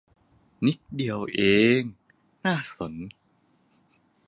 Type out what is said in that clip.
นิดเดียว น่าสน